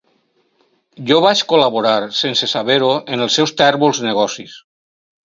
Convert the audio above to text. Jo vaig col·laborar, sense saber-ho, en els seus tèrbols negocis...